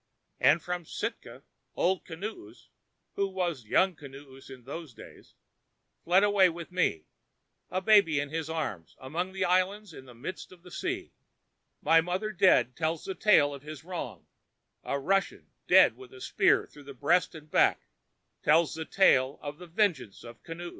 And from Sitka, Old Kinoos, who was Young Kinoos in those days, fled away with me, a babe in his arms, along the islands in the midst of the sea. My mother dead tells the tale of his wrong; a Russian, dead with a spear through breast and back, tells the tale of the vengeance of Kinoos.